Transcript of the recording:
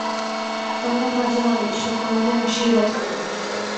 তোমরা কাজে লাগো, ঈশ্বর তোমাদের আশীর্বাদ করুন।